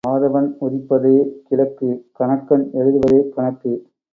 ஆதவன் உதிப்பதே கிழக்கு கணக்கன் எழுதுவதே கணக்கு.